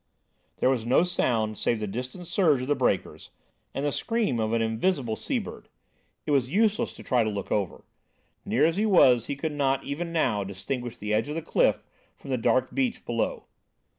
There was no sound save the distant surge of the breakers, and the scream of an invisible sea bird. It was useless to try to look over. Near as he was, he could not, even now, distinguish the edge of the cliff from the dark beach below.